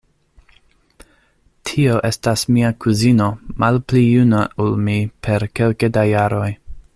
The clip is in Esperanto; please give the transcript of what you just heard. Tio estas mia kuzino, malpli juna ol mi per kelke da jaroj.